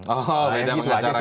oh beda pengacaranya